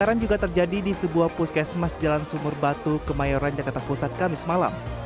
kebakaran juga terjadi di sebuah puskesmas jalan sumur batu kemayoran jakarta pusat kamis malam